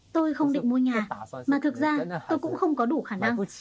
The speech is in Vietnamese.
tôi không định mua nhà mà thực ra tôi cũng không có đủ khả năng